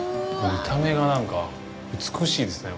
見た目がなんか美しいですね。